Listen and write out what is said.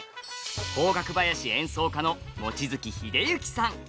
邦楽囃子演奏家の望月秀幸さん！